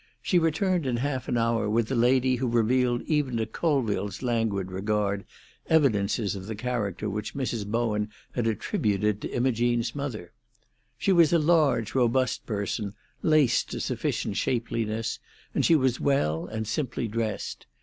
She returned in half an hour with a lady who revealed even to Colville's languid regard evidences of the character which Mrs. Bowen had attributed to Imogene's mother. She was a large, robust person, laced to sufficient shapeliness, and she was well and simply dressed.